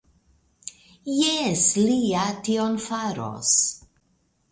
Jes, li ja tion faros.